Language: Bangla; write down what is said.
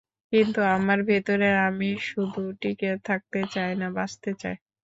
কিন্তু আমার ভেতরের আমি শুধু টিকে থাকতে চায় না, বাঁচতে চায়।